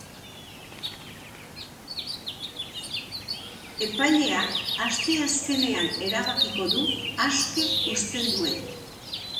Epaileak asteazkenean erabakiko du aske uzten duen.